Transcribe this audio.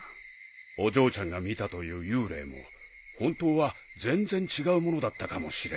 お嬢ちゃんが見たという幽霊も本当は全然違うものだったかもしれない。